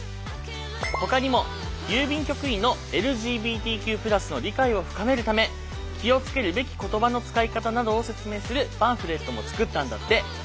ほかにも郵便局員のＬＧＢＴＱ＋の理解を深めるため気を付けるべき言葉の使い方などを説明するパンフレットも作ったんだって。